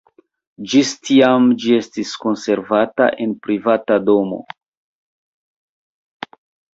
Ĝis tiam ĝi estas konservata en privata domo.